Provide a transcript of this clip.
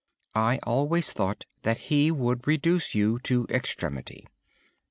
I always thought that He would reduce you to extremity.